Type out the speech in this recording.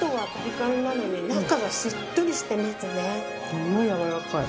すごいやわらかい。